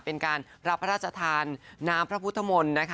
เป็นการรับราชธานน้ำพระพุทธมนต์